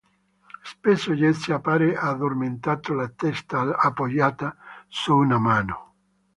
Spesso Jesse appare addormentato, la testa appoggiata su una mano.